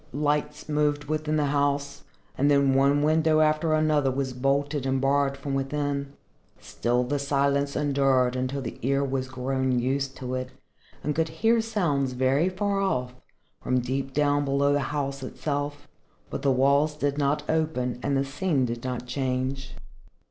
Lights moved within the house, and then one window after another was bolted and barred from within. Still the silence endured until the ear was grown used to it and could hear sounds very far off, from deep down below the house itself, but the walls did not open and the scene did not change.